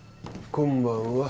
・こんばんは。